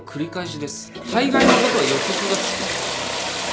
たいがいのことは予測がつく。